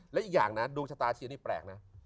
และอีกอย่างนะดวงชะตาเชียร์นี่แปลกนะ